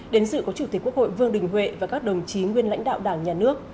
đến dự có chủ tịch quốc hội vương đình huệ và các đồng chí nguyên lãnh đạo đảng nhà nước